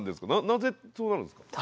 なぜそうなるんですか？